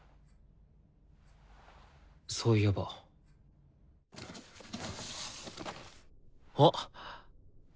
そういえばおっ。